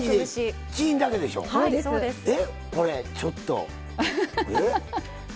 これちょっと。